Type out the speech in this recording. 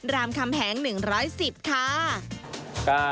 รามคำแหง๑๑๐ค่ะ